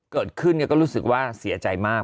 เกิดขึ้นก็รู้สึกว่าเสียใจมาก